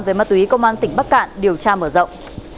về ma túy công an tỉnh bắc cạn điều tra mở rộng